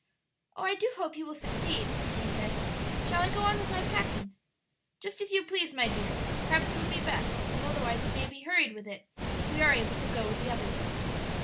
"Oh, I do hope you will succeed!" she said. "Shall I go on with my packing?" "Just as you please, my dear; perhaps it would be best; as otherwise you may be hurried with it if we are able to go with the others."